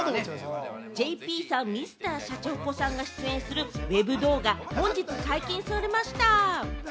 ＪＰさん、Ｍｒ．シャチホコさんが出演するＷＥＢ動画、本日解禁されました。